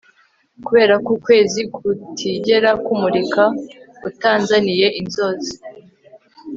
Kuberako ukwezi kutigera kumurika utanzaniye inzozi